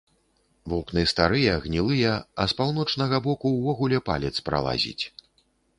Вокны старыя, гнілыя, а з паўночнага боку ўвогуле палец пралазіць.